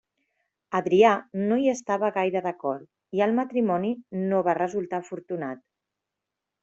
Adrià no hi estava gaire d'acord i el matrimoni no va resultar afortunat.